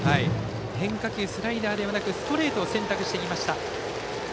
変化球、スライダーではなくストレートを選択してきました。